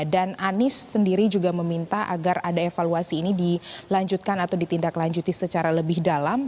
dan anies sendiri juga meminta agar ada evaluasi ini dilanjutkan atau ditindak lanjuti secara lebih dalam